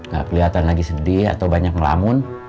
gak kelihatan lagi sedih atau banyak ngelamun